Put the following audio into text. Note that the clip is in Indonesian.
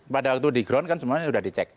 pada waktu di ground kan semuanya sudah dicek